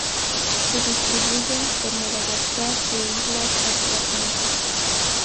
Se distribuyen por Madagascar e islas adyacentes.